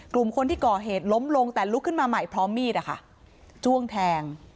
กลุ่มคนที่ก่อเหตุล้มลงแต่ลุกขึ้นมาใหม่พร้อมมีดจ้วงแทง